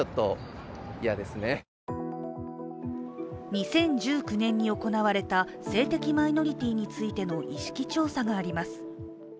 ２０１９年に行われた性的マイノリティーについての意識調査があります。